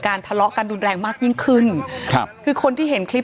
ทะเลาะกันรุนแรงมากยิ่งขึ้นครับคือคนที่เห็นคลิป